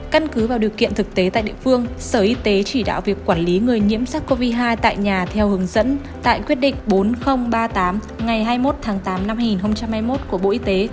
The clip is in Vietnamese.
căn cứ vào điều kiện thực tế tại địa phương sở y tế chỉ đạo việc quản lý người nhiễm sars cov hai tại nhà theo hướng dẫn tại quyết định bốn nghìn ba mươi tám ngày hai mươi một tháng tám năm hai nghìn hai mươi một của bộ y tế